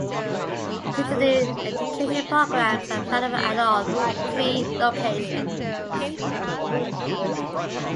Continuing education programs are available at all three locations.